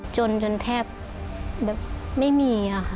จนจนแทบไม่มี